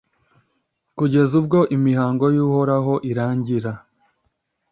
kugeza ubwo imihango y'uhoraho irangira